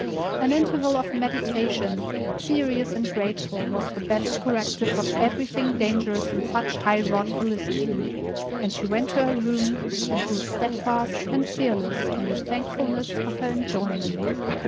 An interval of meditation, serious and grateful, was the best corrective of everything dangerous in such high wrought felicity; and she went to her room, and grew steadfast and fearless in the thankfulness of her enjoyment.